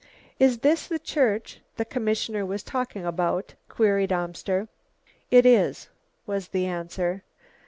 "Is this the church the commissioner was talking about?" queried Amster. "It is," was the answer.